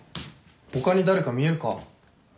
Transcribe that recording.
他に誰か見えるか？